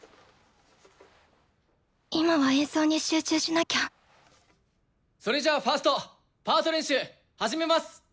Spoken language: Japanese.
今は演奏に集中しなきゃそれじゃあファーストパート練習始めます。